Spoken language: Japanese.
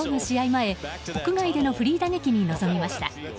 前、屋外でのフリー打撃に臨みました。